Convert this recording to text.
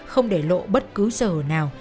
không để lộ bất cứ sở nào